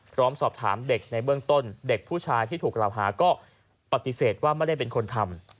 พร้อมสอบถามเด็กในเบื้องต้นเด็กผู้ชายที่ถูกกล่าวหาก็ปฏิเสธว่าไม่ได้เป็นคนทำ